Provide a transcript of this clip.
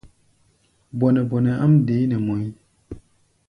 Bɔnɛ-bɔnɛ áʼm deé nɛ mɔʼí̧.